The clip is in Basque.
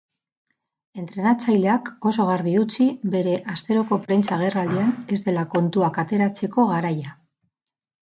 Entrenatzaileak oso garbi utzi bere asteroko prentsa agerraldian ez dela kontuak ateratzeko garaia.